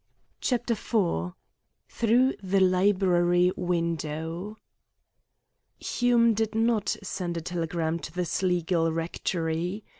CHAPTER IV THROUGH THE LIBRARY WINDOW Hume did not send a telegram to the Sleagill Rectory.